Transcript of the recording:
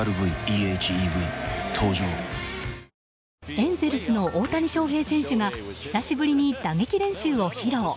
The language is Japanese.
エンゼルスの大谷翔平選手が久しぶりに打撃練習を披露。